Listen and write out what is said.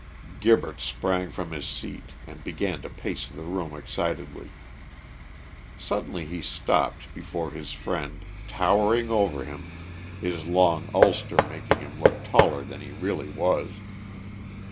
Gibberts sprang from his seat and began to pace the room excitedly. Suddenly he stopped before his friend, towering over him, his long ulster making him look taller than he really was.